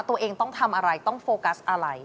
ตัวเองต้องทำอะไรต้องโฟกัสอะไร